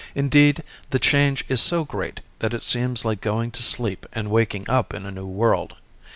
Indeed, the change is so great that it seems like going to sleep and waking up in a new world.